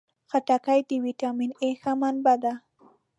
خټکی د ویټامین A ښه منبع ده.